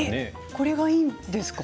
これがいいんですか。